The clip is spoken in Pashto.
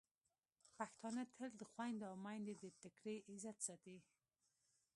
پښتانه تل د خویندو او میندو د ټکري عزت ساتي.